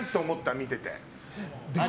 見てて。